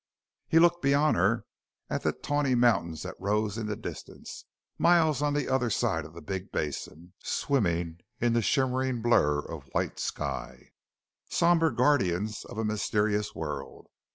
He looked beyond her at the tawny mountains that rose in the distance, miles on the other side of the big basin swimming in the shimmering blur of white sky somber guardians of a mysterious world.